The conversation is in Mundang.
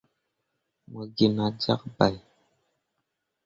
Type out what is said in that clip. Mo gi nah jyak bai.